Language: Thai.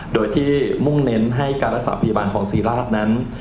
โดยที่มุ่งเน้นให้การรักษาพยาบาลของศรีราชนั้น